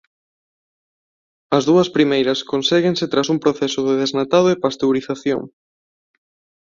As dúas primeiras conséguense tras un proceso de desnatado e pasteurización.